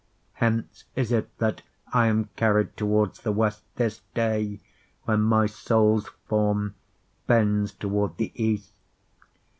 Hence is't, that I am carryed towards the WestThis day, when my Soules forme bends toward the East.